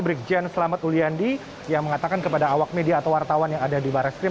brigjen selamat uliandi yang mengatakan kepada awak media atau wartawan yang ada di barreskrim